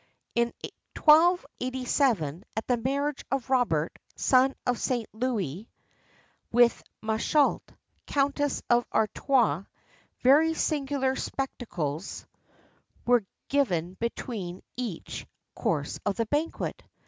In 1287, at the marriage of Robert, son of Saint Louis, with Machault, Countess of Artois, very singular spectacles were given between each course of the banquet.